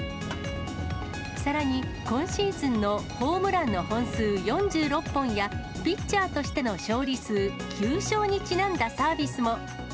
さらに、今シーズンのホームランの本数４６本や、ピッチャーとしての勝利数、９勝にちなんだサービスも。